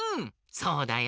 そうだよ。